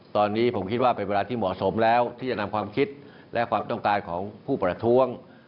ตอนนี้ผมคิดว่าเป็นเวลาที่เหมาะสมแล้วที่จะนำความคิดและความต้องการของผู้ประท้วง